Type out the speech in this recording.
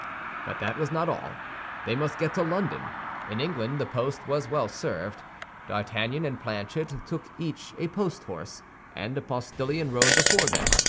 But that was not all; they must get to London. In England the post was well served. D'Artagnan and Planchet took each a post horse, and a postillion rode before them.